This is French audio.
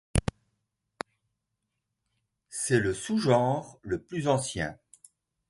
C'est le sous-genre le plus ancien.